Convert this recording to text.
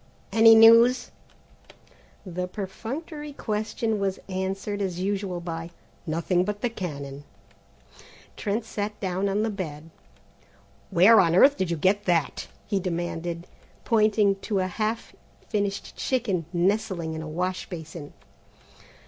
"Any news?" The perfunctory question was answered as usual by: "Nothing but the cannon." Trent sat down on the bed. "Where on earth did you get that?" he demanded, pointing to a half finished chicken nestling in a wash basin.